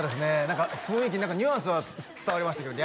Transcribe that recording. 何か雰囲気ニュアンスは伝わりましたけど